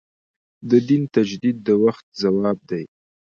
د دین تجدید د وخت ځواب دی.